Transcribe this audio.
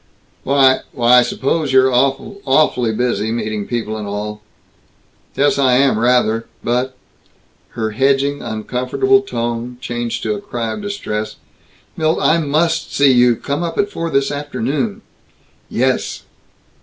"Why why I suppose you're awful awfully busy, meeting people and all " "Yes, I am, rather, but " Her hedging uncomfortable tone changed to a cry of distress. "Milt! I must see you. Come up at four this afternoon." "Yes!"